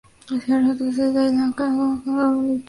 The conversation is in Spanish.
Tiene rutas entre Tailandia, Hong Kong y China.